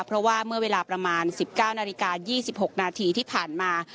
เพราะว่าเมื่อเวลาประมาณ๑๙นาฬิกา๒๖นาทีที่ผ่านมา